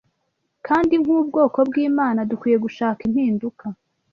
kandi nk’ubwoko bw’Imana, dukwiriye gushaka impinduka